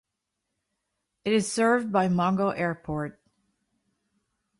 It is served by Mongo Airport.